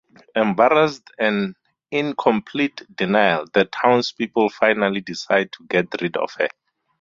Embarrassed and in complete denial, the townspeople finally decide to get rid of her.